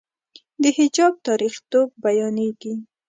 د حجاب تاریخيتوب بیانېږي.